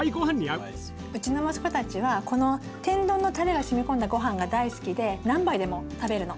うちの息子たちはこの天丼のタレがしみ込んだごはんが大好きで何杯でも食べるの。